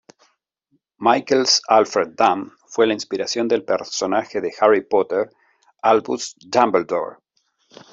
Michael's, Alfred Dunn, fue la inspiración del personaje de "Harry Potter" Albus Dumbledore.